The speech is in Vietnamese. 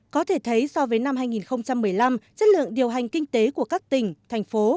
có thể thấy so với năm hai nghìn một mươi năm chất lượng điều hành kinh tế của các tỉnh thành phố